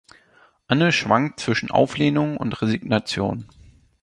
Anne schwankt zwischen Auflehnung und Resignation.